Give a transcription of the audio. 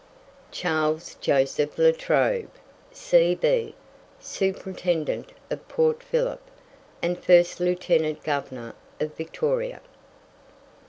CHARLES JOSEPH LA TROBE, C.B., SUPERINTENDENT OF PORT PHILLIP, AND FIRST LIEUTENANT GOVERNOR OF VICTORIA.